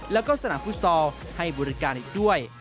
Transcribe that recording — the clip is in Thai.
แล้วก็สนามฟุตซอลให้บริการอีกด้วย